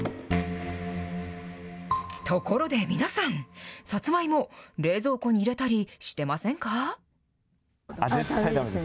ところで皆さん、さつまいも、冷蔵庫に入れたりしてませんか？